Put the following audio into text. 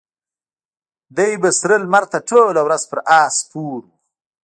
دی به سره لمر ته ټوله ورځ پر آس سپور و.